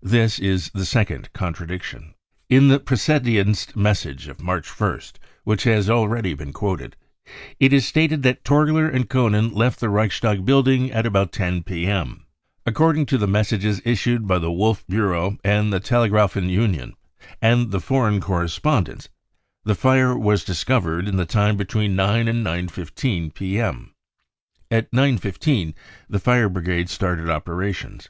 This is the second contradiction. In the Pressedienst message of March 1st, which,* has already been quoted, it is stated that Torgler and Koenen left the Reichstag building at about 10 p.m. According to the messages issued by the Wolff Bureau , the Telegrafen Union and the foreign correspondents, the fire was dis covered in the time between 9 and 9.15 p.m. At 9.15 the fire brigade started operations.